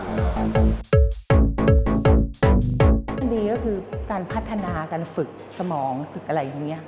คดีก็คือการพัฒนาการฝึกสมองฝึกอะไรอย่างนี้ค่ะ